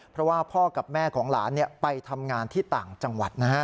เพราะว่าพ่อกับแม่ของหลานไปทำงานที่ต่างจังหวัดนะฮะ